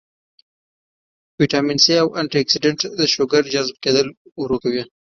وټامن سي او انټي اکسيډنټس د شوګر جذب کېدل ورو کوي